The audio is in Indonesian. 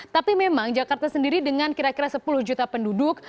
tapi memang jakarta sendiri dengan kira kira sepuluh juta penduduk